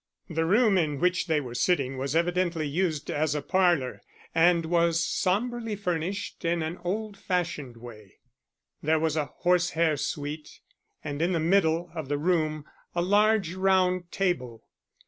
The room in which they were sitting was evidently used as a parlour, and was somberly furnished in an old fashioned way. There was a horsehair suite, and in the middle of the room a large round table.